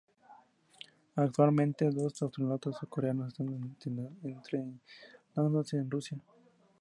Actualmente, dos astronautas surcoreanos están entrenándose en Rusia.